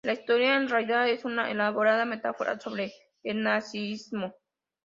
La historia en realidad es una elaborada metáfora sobre el nazismo.